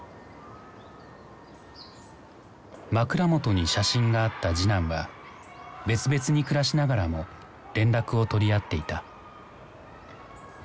枕元に写真があった次男は別々に暮らしながらも連絡を取り合っていた。